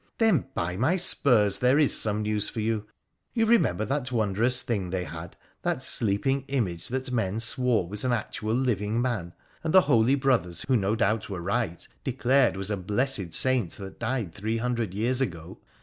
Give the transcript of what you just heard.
' Then, by my spurs, there is some news for you ! You remember that wondrous thing they had, that sleeping image PIIRA THE PHOENICIAN 187 that men swore was an actual living man, and the holy brothers, who, no doubt, were right, declared was a blessed saint that died three hundred years ago?